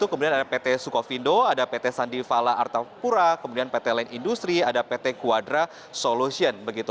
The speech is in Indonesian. kemudian ada pt sukovindo ada pt sandi fala artapura kemudian pt line industri ada pt quadra solution